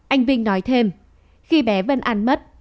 anh vinh nói thêm khi bé vân an mất